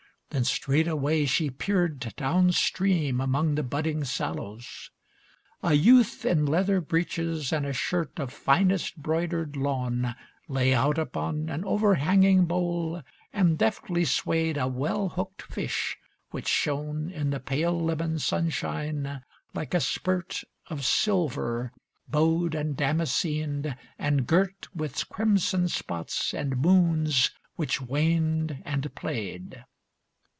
Then straight away She peered down stream among the budding sallows. A youth in leather breeches and a shirt Of finest broidered lawn lay out upon An overhanging bole and deftly swayed A well hooked fish which shone In the pale lemon sunshine like a spurt Of silver, bowed and damascened, and girt With crimson spots and moons which waned and played.